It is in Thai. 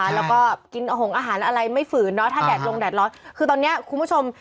แล้วก็กินหงอาหารอะไรไม่ฝืนเนาะถ้าแดดลงแดดร้อนคือตอนนี้คุณผู้ชม